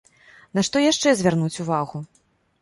На што яшчэ звярнуць увагу?